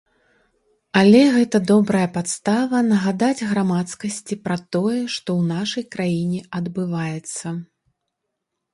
Але гэта добрая падстава нагадаць грамадскасці пра тое, што ў нашай краіне адбываецца.